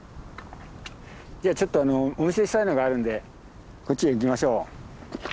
じゃあちょっとお見せしたいのがあるんでこっちへ行きましょう。